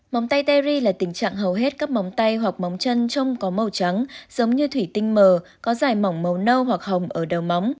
móng tay teri là tình trạng hầu hết các móng tay hoặc móng chân trông có màu trắng giống như thủy tinh mờ có dài mỏng màu nâu hoặc hồng ở đầu móng